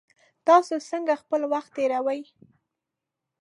تاسو څنګه خپل وخت تیروئ؟